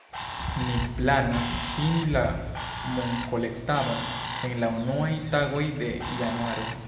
Ni planas fini la monkolektadon en la unuaj tagoj de januaro.